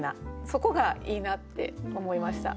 そこがいいなって思いました。